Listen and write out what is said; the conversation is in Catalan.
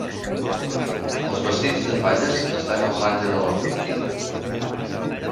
Els vestits de falles estan al marge de la política